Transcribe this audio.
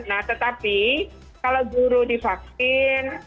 nah tetapi kalau guru di vaksin